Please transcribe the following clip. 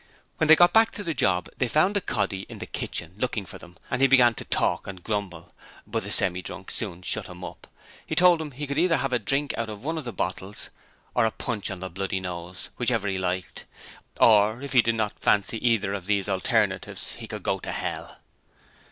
When they got back to the job they found the 'coddy' in the kitchen, looking for them and he began to talk and grumble, but the Semi drunk soon shut him up: he told him he could either have a drink out of one of the bottles or a punch in the bloody nose whichever he liked! Or if he did not fancy either of these alternatives, he could go to hell!